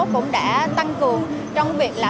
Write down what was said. cũng đã tăng cường trong việc là